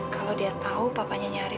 kalau dia tahu papanya nyari